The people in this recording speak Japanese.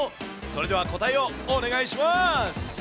それでは答えをお願いします。